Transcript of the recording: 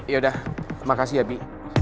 yaudah makasih ya bi